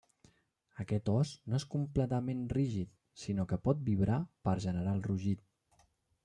Aquest os no és completament rígid, sinó que pot vibrar per generar el rugit.